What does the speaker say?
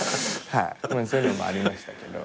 そういうのもありましたけど。